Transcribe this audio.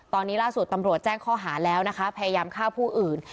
ตอนนี้ล่าสุดตำรวจแจ้งข้อหาแล้วนะคะพยายามฆ่าผู้อื่น